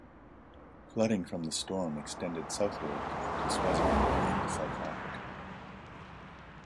Flooding from the storm extended southward into Swaziland and South Africa.